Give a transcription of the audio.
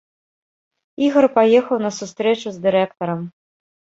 Ігар паехаў на сустрэчу с дырэктарам.